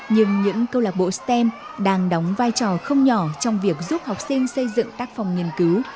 nhưng những câu lạc bộ stem đang đóng vai trò không nhỏ trong việc giúp học sinh xây dựng tác phòng nghiên cứu